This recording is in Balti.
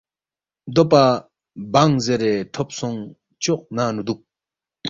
دوپا بانگ زیرے ٹھوپ سونگ چوق ننگنو دوک۔